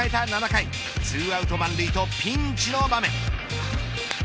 ７回２アウト満塁とピンチの場面。